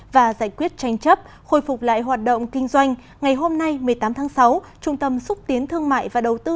và giải quyết tranh chấp khôi phục lại hoạt động kinh doanh ngày hôm nay một mươi tám tháng sáu trung tâm xúc tiến thương mại và đầu tư